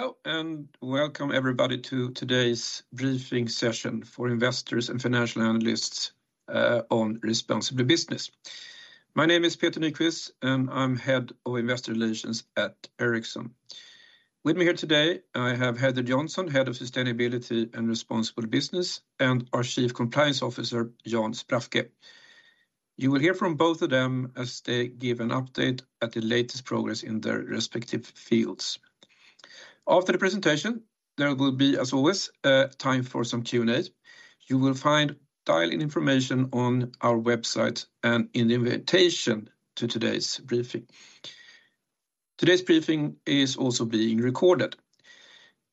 Hello, and welcome everybody to today's briefing session for investors and financial analysts on responsible business. My name is Peter Nyquist, and I'm Head of Investor Relations at Ericsson. With me here today, I have Heather Johnson, Head of Sustainability and Responsible Business, and our Chief Compliance Officer, Jan Sprafke. You will hear from both of them as they give an update at the latest progress in their respective fields. After the presentation, there will be as always, a time for some Q&A. You will find dial-in information on our website and an invitation to today's briefing. Today's briefing is also being recorded.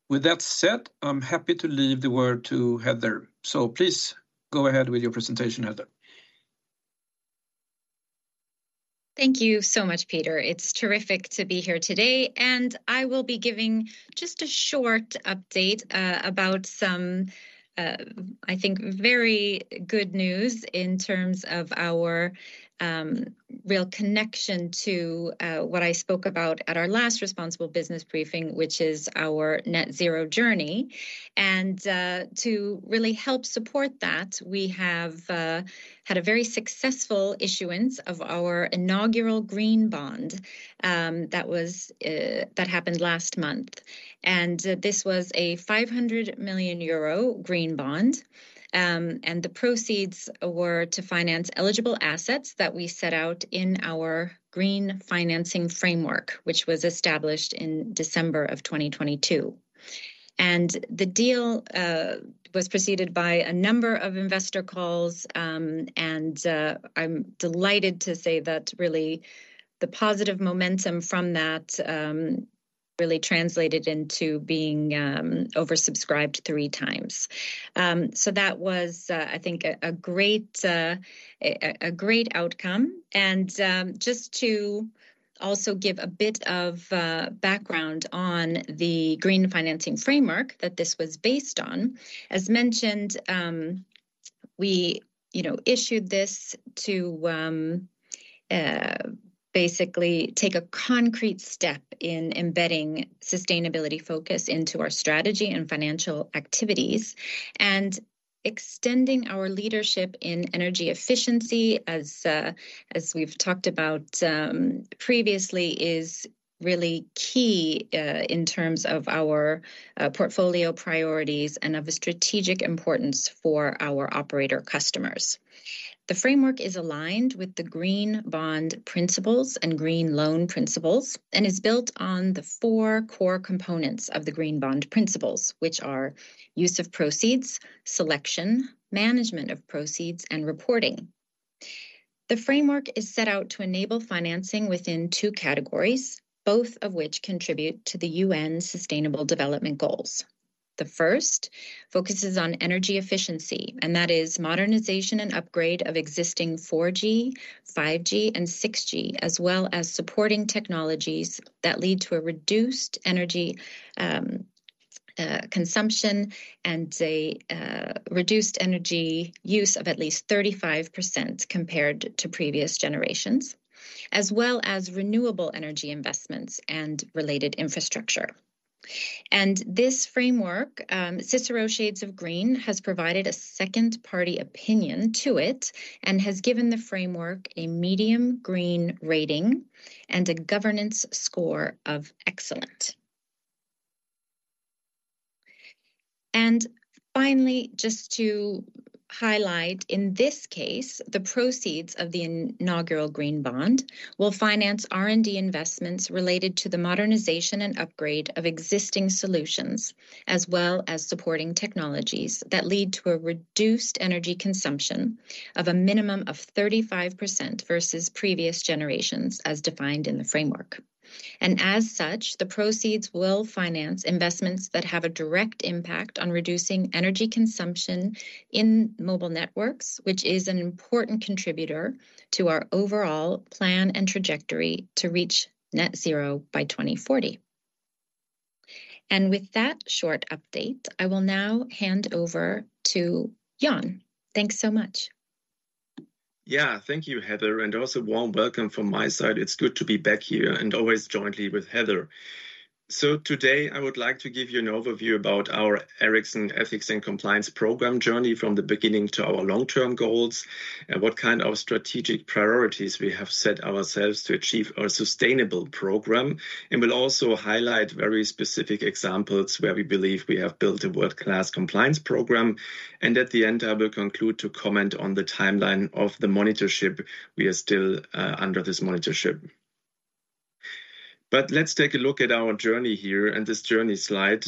With that said, I'm happy to leave the word to Heather. Please, go ahead with your presentation, Heather. Thank you so much, Peter. It's terrific to be here today, and I will be giving just a short update about some, I think, very good news in terms of our real connection to what I spoke about at our last responsible business briefing, which is our Net Zero journey. To really help support that, we have had a very successful issuance of our inaugural green bond that happened last month. This was a 500 million euro green bond. The proceeds were to finance eligible assets that we set out in our Green Financing Framework, which was established in December of 2022. The deal was preceded by a number of investor calls, and I'm delighted to say that really, the positive momentum from that really translated into being oversubscribed three times. So that was, I think, a great outcome. Just to also give a bit of background on the Green Financing Framework that this was based on. As mentioned, we, you know, issued this to basically take a concrete step in embedding sustainability focus into our strategy and financial activities. Extending our leadership in energy efficiency, as we've talked about previously, is really key in terms of our portfolio priorities and of a strategic importance for our operator customers. The framework is aligned with the Green Bond Principles and Green Loan Principles, and is built on the four core components of the Green Bond Principles, which are: use of proceeds, selection, management of proceeds, and reporting. The framework is set out to enable financing within two categories, both of which contribute to the UN's Sustainable Development Goals. The first focuses on energy efficiency, and that is modernization and upgrade of existing 4G, 5G, and 6G, as well as supporting technologies that lead to a reduced energy consumption and a reduced energy use of at least 35% compared to previous generations, as well as renewable energy investments and related infrastructure. And this framework, CICERO Shades of Green, has provided a second party opinion to it and has given the framework a medium green rating and a governance score of excellent. Finally, just to highlight, in this case, the proceeds of the inaugural green bond will finance R&D investments related to the modernization and upgrade of existing solutions, as well as supporting technologies that lead to a reduced energy consumption of a minimum of 35% versus previous generations, as defined in the framework. And as such, the proceeds will finance investments that have a direct impact on reducing energy consumption in mobile networks, which is an important contributor to our overall plan and trajectory to reach Net Zero by 2040. And with that short update, I will now hand over to Jan. Thanks so much. Yeah. Thank you, Heather, and also warm welcome from my side. It's good to be back here and always jointly with Heather. So today, I would like to give you an overview about our Ericsson Ethics and Compliance Program journey from the beginning to our long-term goals, and what kind of strategic priorities we have set ourselves to achieve our sustainable program. We'll also highlight very specific examples where we believe we have built a world-class compliance program, and at the end, I will conclude to comment on the timeline of the monitorship. We are still under this monitorship. But let's take a look at our journey here and this journey slide.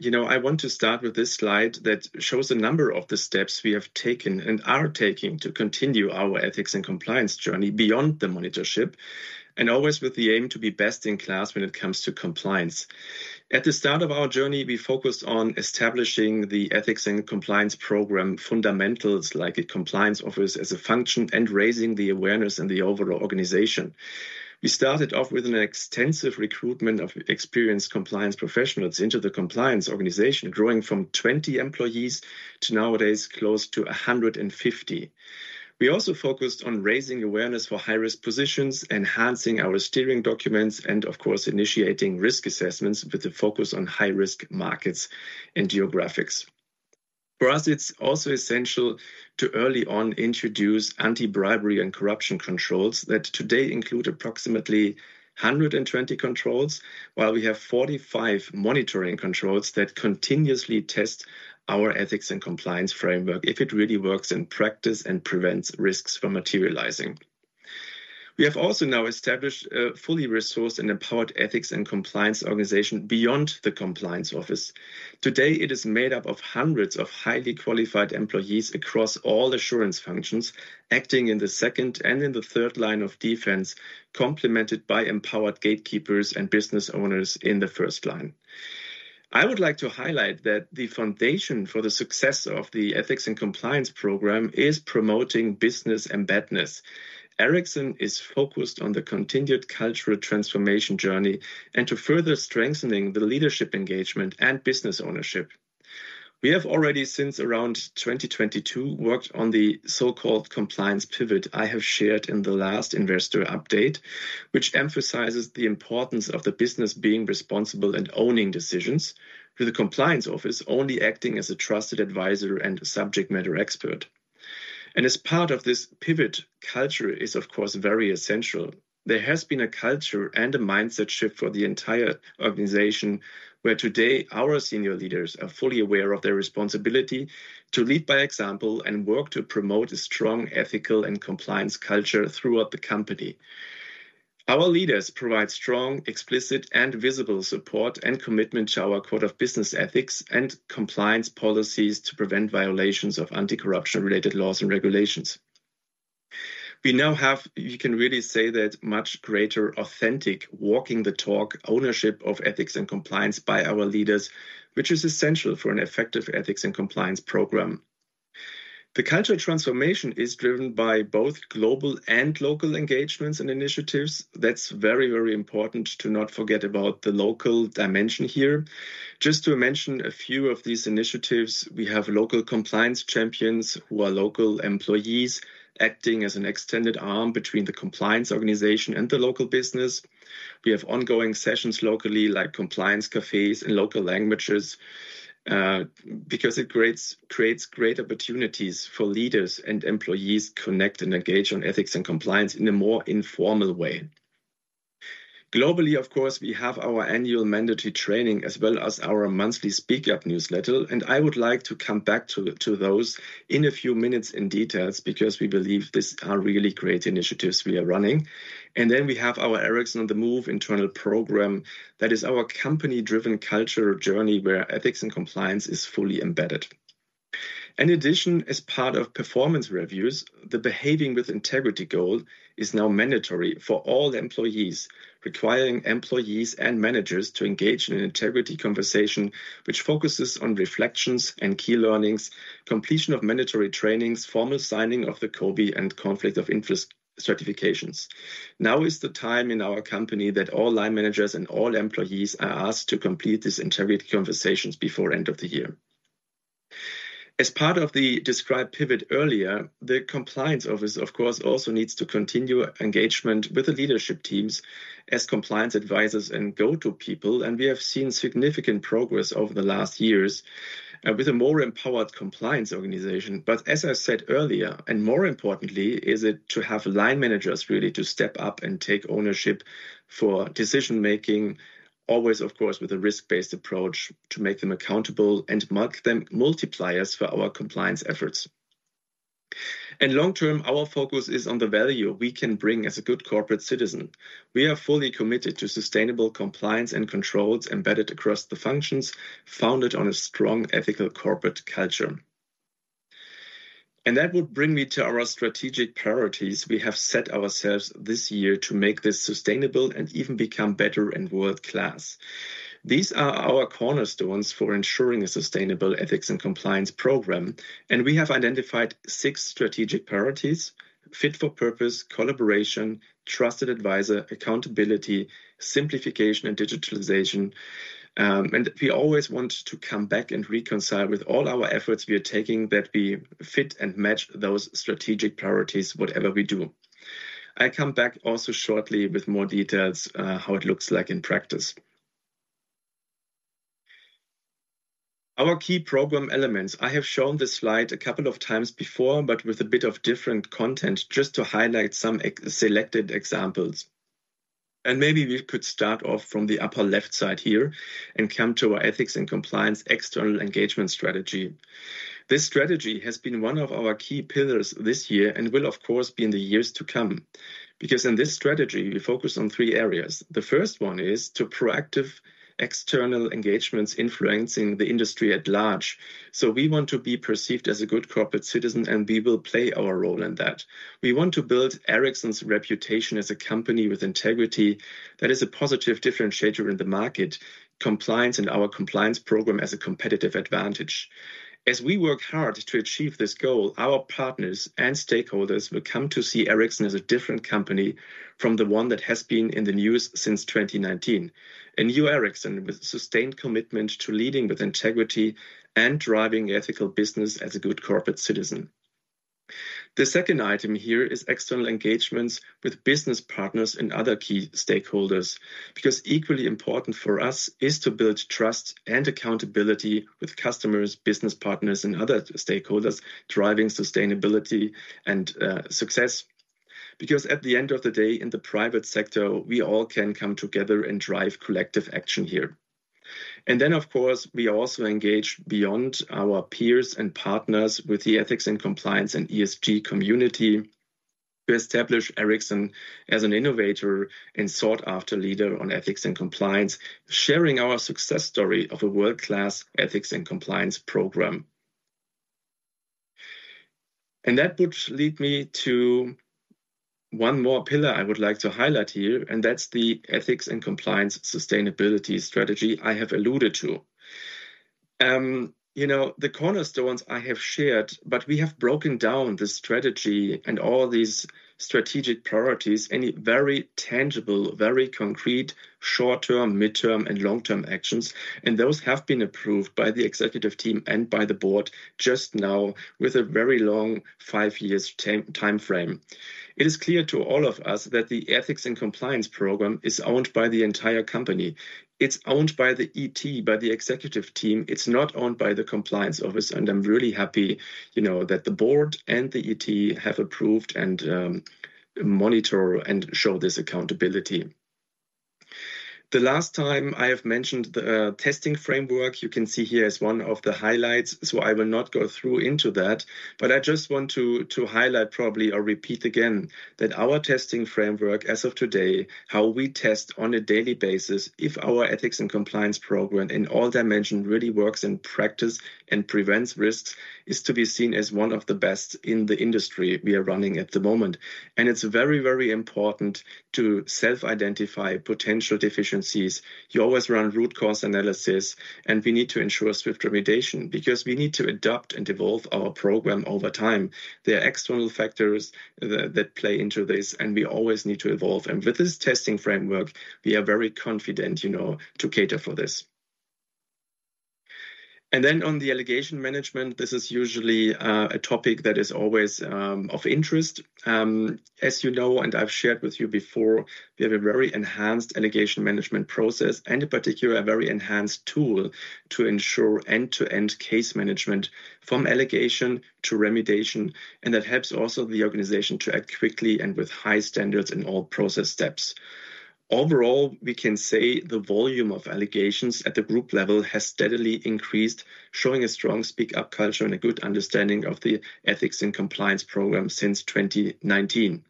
You know, I want to start with this slide that shows a number of the steps we have taken and are taking to continue our ethics and compliance journey beyond the monitorship, and always with the aim to be best in class when it comes to compliance. At the start of our journey, we focused on establishing the Ethics and Compliance program fundamentals, like a compliance office as a function and raising the awareness in the overall organization. We started off with an extensive recruitment of experienced compliance professionals into the compliance organization, growing from 20 employees to nowadays close to 150. We also focused on raising awareness for high-risk positions, enhancing our steering documents, and of course, initiating risk assessments with a focus on high-risk markets and geographics. For us, it's also essential to early on introduce anti-bribery and corruption controls that today include approximately 120 controls, while we have 45 monitoring controls that continuously test our ethics and compliance framework if it really works in practice and prevents risks from materializing. We have also now established a fully resourced and empowered ethics and compliance organization beyond the compliance office. Today, it is made up of hundreds of highly qualified employees across all assurance functions, acting in the second and in the third line of defense, complemented by empowered gatekeepers and business owners in the first line. I would like to highlight that the foundation for the success of the Ethics and Compliance program is promoting business embeddedness. Ericsson is focused on the continued cultural transformation journey and to further strengthening the leadership engagement and business ownership. We have already, since around 2022, worked on the so-called compliance pivot I have shared in the last investor update, which emphasizes the importance of the business being responsible and owning decisions, with the compliance office only acting as a trusted advisor and subject matter expert. As part of this pivot culture is, of course, very essential. There has been a culture and a mindset shift for the entire organization, where today our senior leaders are fully aware of their responsibility to lead by example and work to promote a strong ethical and compliance culture throughout the company. Our leaders provide strong, explicit, and visible support and commitment to our Code of Business Ethics and compliance policies to prevent violations of anti-corruption related laws and regulations. We now have, you can really say that much greater authentic walking the talk, ownership of ethics and compliance by our leaders, which is essential for an effective Ethics and Compliance program. The cultural transformation is driven by both global and local engagements and initiatives. That's very, very important to not forget about the local dimension here. Just to mention a few of these initiatives, we have local compliance champions who are local employees, acting as an extended arm between the compliance organization and the local business. We have ongoing sessions locally, like compliance cafes in local languages, because it creates great opportunities for leaders and employees to connect and engage on ethics and compliance in a more informal way. Globally, of course, we have our annual mandatory training, as well as our monthly Speak Up Newsletter, and I would like to come back to, to those in a few minutes in details, because we believe these are really great initiatives we are running. Then we have our Ericsson on the Move internal program. That is our company-driven culture journey, where ethics and compliance is fully embedded. In addition, as part of performance reviews, the behaving with integrity goal is now mandatory for all employees, requiring employees and managers to engage in an integrity conversation which focuses on reflections and key learnings, completion of mandatory trainings, formal signing of the CoBE and conflict of interest certifications. Now is the time in our company that all line managers and all employees are asked to complete these integrity conversations before end of the year. As part of the described pivot earlier, the compliance office, of course, also needs to continue engagement with the leadership teams as compliance advisors and go-to people, and we have seen significant progress over the last years with a more empowered compliance organization. But as I said earlier, and more importantly, is it to have line managers really to step up and take ownership for decision-making, always of course, with a risk-based approach, to make them accountable and mark them multipliers for our compliance efforts. In long term, our focus is on the value we can bring as a good corporate citizen. We are fully committed to sustainable compliance and controls embedded across the functions, founded on a strong ethical corporate culture. That would bring me to our strategic priorities we have set ourselves this year to make this sustainable and even become better and world-class. These are our cornerstones for ensuring a sustainable Ethics and Compliance program. And we have identified six strategic priorities: fit for purpose, collaboration, trusted advisor, accountability, simplification, and digitalization. We always want to come back and reconcile with all our efforts we are taking that we fit and match those strategic priorities, whatever we do. I come back also shortly with more details, how it looks like in practice. Our key program elements. I have shown this slide a couple of times before, but with a bit of different content, just to highlight some selected examples. Maybe we could start off from the upper left side here and come to our ethics and compliance external engagement strategy. This strategy has been one of our key pillars this year and will, of course, be in the years to come. Because in this strategy, we focus on three areas. The first one is to proactive external engagements influencing the industry at large. So we want to be perceived as a good corporate citizen, and we will play our role in that. We want to build Ericsson's reputation as a company with integrity that is a positive differentiator in the market, compliance and our compliance program as a competitive advantage. As we work hard to achieve this goal, our partners and stakeholders will come to see Ericsson as a different company from the one that has been in the news since 2019. A new Ericsson, with sustained commitment to leading with integrity and driving ethical business as a good corporate citizen. The second item here is external engagements with business partners and other key stakeholders, because equally important for us is to build trust and accountability with customers, business partners, and other stakeholders, driving sustainability and success. Because at the end of the day, in the private sector, we all can come together and drive collective action here. And then, of course, we also engage beyond our peers and partners with the ethics and compliance and ESG community to establish Ericsson as an innovator and sought-after leader on ethics and compliance, sharing our success story of a world-class Ethics and Compliance program. And that would lead me to one more pillar I would like to highlight here, and that's the ethics and compliance sustainability strategy I have alluded to. You know, the cornerstones I have shared, but we have broken down the strategy and all these strategic priorities, and very tangible, very concrete, short-term, mid-term, and long-term actions. And those have been approved by the executive team and by the Board just now with a very long five years time, timeframe. It is clear to all of us that the Ethics and Compliance program is owned by the entire company. It's owned by the ET, by the executive team. It's not owned by the compliance office. And I'm really happy, you know, that the Board and the ET have approved and monitor and show this accountability. The last time I have mentioned the testing framework, you can see here as one of the highlights. So, I will not go through into that. But I just want to highlight probably or repeat again that our testing framework as of today, how we test on a daily basis if our Ethics and Compliance program in all dimension really works in practice and prevents risks, is to be seen as one of the best in the industry we are running at the moment. And it's very, very important to self-identify potential deficiencies. You always run root cause analysis. And we need to ensure swift remediation, because we need to adapt and evolve our program over time. There are external factors that play into this, and we always need to evolve. With this testing framework, we are very confident, you know, to cater for this. Then on the allegation management, this is usually a topic that is always of interest. As you know, and I've shared with you before, we have a very enhanced allegation management process. In particular, a very enhanced tool to ensure end-to-end case management from allegation to remediation, and that helps also the organization to act quickly and with high standards in all process steps. Overall, we can say the volume of allegations at the group level has steadily increased, showing a strong speak-up culture and a good understanding of the Ethics and Compliance program since 2019.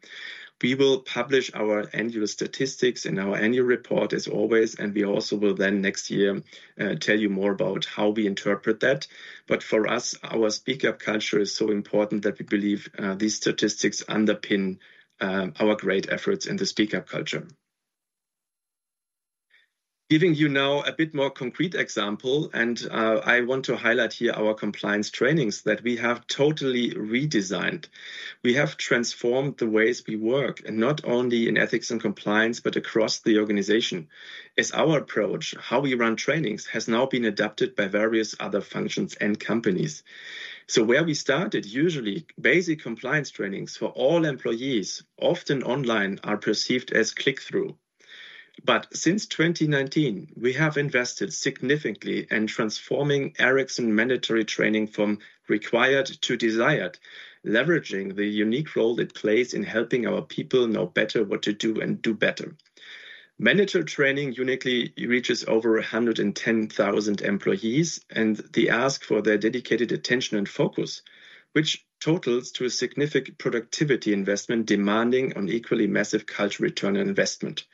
We will publish our annual statistics in our Annual Report as always, and we also will then next year tell you more about how we interpret that. But for us, our speak-up culture is so important that we believe these statistics underpin our great efforts in the speak-up culture. Giving you now a bit more concrete example, and I want to highlight here our compliance trainings that we have totally redesigned. We have transformed the ways we work. Not only in ethics and compliance but across the organization, as our approach, how we run trainings, has now been adapted by various other functions and companies. So where we started, usually, basic compliance trainings for all employees, often online, are perceived as click-through. But since 2019, we have invested significantly in transforming Ericsson mandatory training from required to desired, leveraging the unique role it plays in helping our people know better what to do and do better. Mandatory training uniquely reaches over 110,000 employees, and they ask for their dedicated attention and focus, which totals to a significant productivity investment demanding an equally massive cultural return on investment.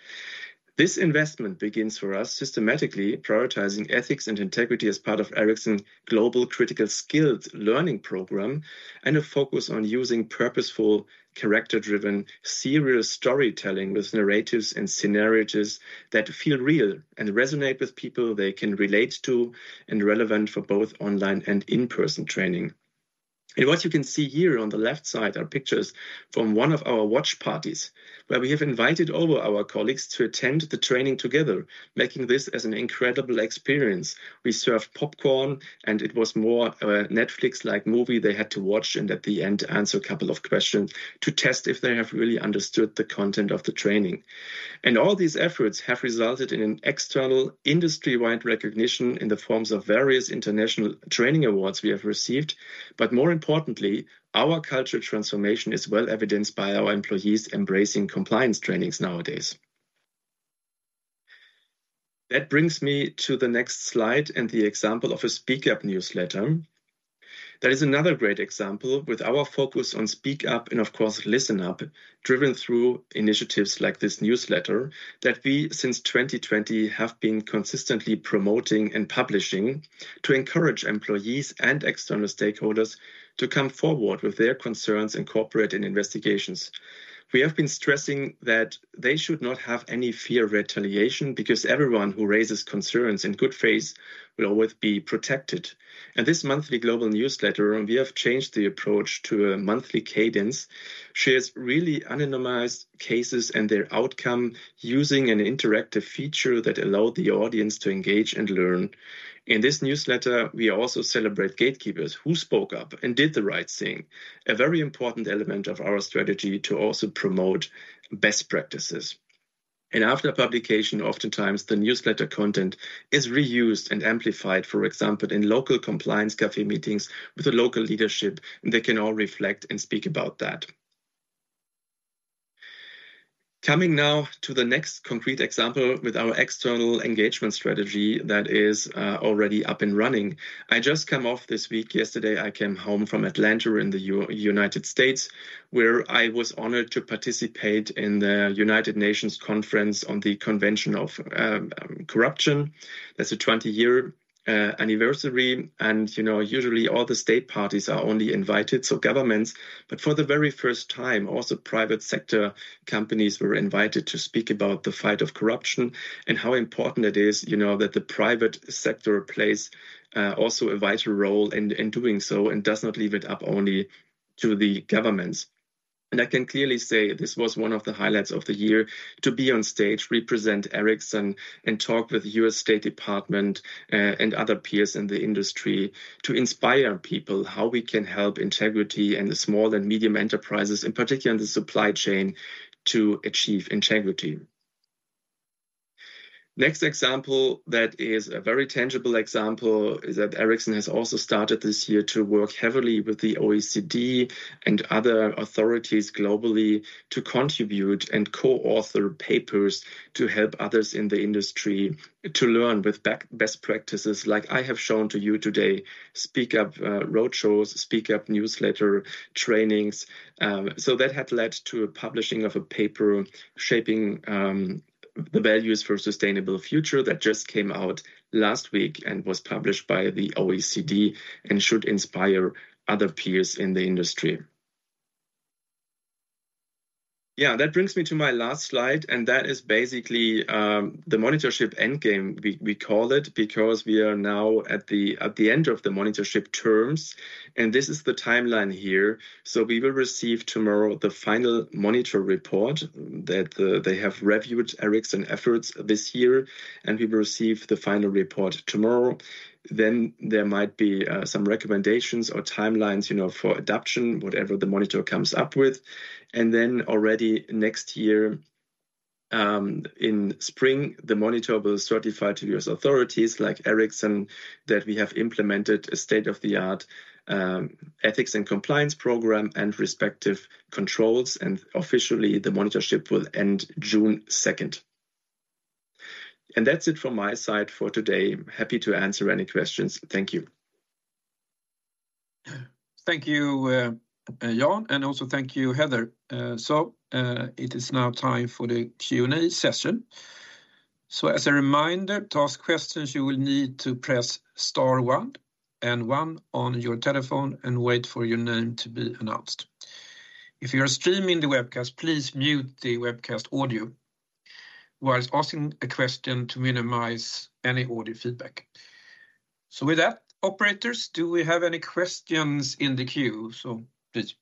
This investment begins for us systematically prioritizing ethics and integrity as part of Ericsson global critical skills learning program. And a focus on using purposeful, character-driven, serious storytelling with narratives and scenarios that feel real and resonate with people they can relate to, and relevant for both online and in-person training. What you can see here on the left side are pictures from one of our watch parties, where we have invited all of our colleagues to attend the training together, making this as an incredible experience. We served popcorn. It was more a Netflix-like movie they had to watch. And at the end, answer a couple of questions to test if they have really understood the content of the training. All these efforts have resulted in an external industry-wide recognition in the forms of various international training awards we have received. More importantly, our culture transformation is well evidenced by our employees embracing compliance trainings nowadays. That brings me to the next slide, and the example of a Speak Up Newsletter. That is another great example, with our focus on speak up and, of course, listen up, driven through initiatives like this newsletter, that we, since 2020, have been consistently promoting and publishing to encourage employees and external stakeholders to come forward with their concerns and cooperate in investigations. We have been stressing that they should not have any fear of retaliation, because everyone who raises concerns in good faith will always be protected. In this monthly global newsletter, we have changed the approach to a monthly cadence, shares really anonymized cases and their outcome using an interactive feature that allowed the audience to engage and learn. In this newsletter, we also celebrate gatekeepers who spoke up and did the right thing, a very important element of our strategy to also promote best practices. After publication, oftentimes, the newsletter content is reused and amplified. For example, in local compliance cafe meetings with the local leadership, and they can all reflect and speak about that. Coming now to the next concrete example with our external engagement strategy that is already up and running. I just come off this week. Yesterday, I came home from Atlanta in the United States, where I was honored to participate in the United Nations Conference on the Convention of Corruption. That's a 20-year anniversary, and, you know, usually all the state parties are only invited, so governments. For the very first time, also, private sector companies were invited to speak about the fight of corruption and how important it is, you know, that the private sector plays also a vital role in doing so and does not leave it up only to the governments. I can clearly say this was one of the highlights of the year, to be on stage, represent Ericsson, and talk with the U.S. State Department and other peers in the industry to inspire people how we can help integrity and the small and medium enterprises, in particular in the supply chain, to achieve integrity. Next example, that is a very tangible example, is that Ericsson has also started this year to work heavily with the OECD and other authorities globally to contribute and co-author papers to help others in the industry to learn with best practices like I have shown to you today: Speak Up Road Shows, Speak Up Newsletter, trainings. So that had led to a publishing of a paper, Shaping the values for a sustainable future, that just came out last week and was published by the OECD and should inspire other peers in the industry. Yeah, that brings me to my last slide, and that is basically the monitorship end game, we call it, because we are now at the end of the monitorship terms, and this is the timeline here. So we will receive tomorrow the final monitor report, that they have reviewed Ericsson efforts this year, and we will receive the final report tomorrow. Then there might be some recommendations or timelines, you know, for adoption, whatever the monitor comes up with. And then already next year, in spring, the Monitor will certify to U.S. authorities, like Ericsson, that we have implemented a state-of-the-art Ethics and Compliance program and respective controls, and officially, the monitorship will end June 2nd. And that's it from my side for today. Happy to answer any questions. Thank you. Thank you, Jan, and also thank you, Heather. So, it is now time for the Q&A session. So as a reminder, to ask questions, you will need to press star one and one on your telephone and wait for your name to be announced. If you are streaming the webcast, please mute the webcast audio while asking a question to minimize any audio feedback. So with that, operators, do we have any questions in the queue? So please.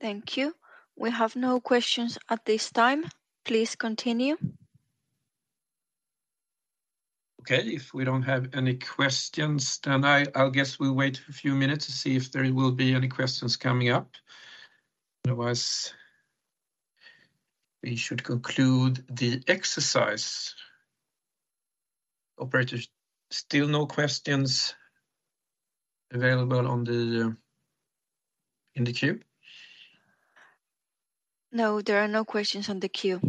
Thank you. We have no questions at this time. Please continue. Okay, if we don't have any questions, then I, I'll guess we'll wait a few minutes to see if there will be any questions coming up. Otherwise, we should conclude the exercise. Operators, still no questions available in the queue? No, there are no questions on the queue.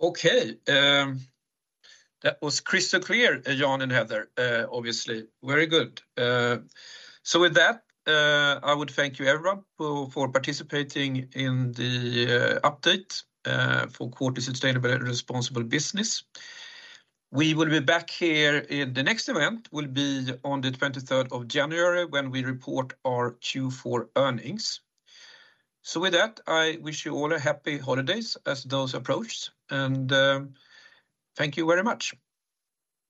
Okay, that was crystal clear, Jan and Heather, obviously. Very good. So with that, I would thank you, everyone, for participating in the update for quarterly sustainable and responsible business. We will be back here in the next event, will be on the 23rd of January when we report our Q4 earnings. So with that, I wish you all a happy holidays as those approach, and thank you very much.